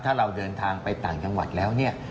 ถ้าเราเดินทางไปต่างจังหวัดแล้วเนี่ย